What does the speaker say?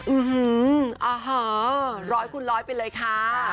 อื้อหือร้อยคูณร้อยไปเลยค่ะ